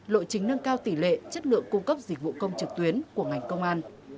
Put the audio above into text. lộ chính nâng cao tỷ lệ chất lượng cung cấp dịch vụ công trực tuyến của ngành công an